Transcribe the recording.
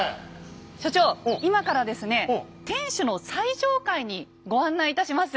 所長今からですね天守の最上階にご案内いたします。